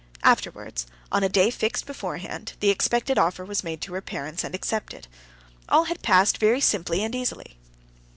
Afterwards, on a day fixed beforehand, the expected offer was made to her parents, and accepted. All had passed very simply and easily.